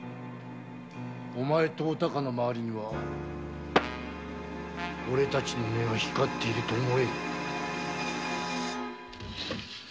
お前とお孝の周りには俺たちの目が光っていると思え！